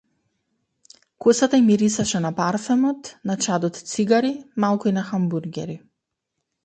Косата ѝ мирисаше на парфемот, на чад од цигари, малку и на хамбургери.